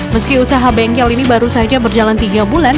meski usaha bengkel ini baru saja berjalan tiga bulan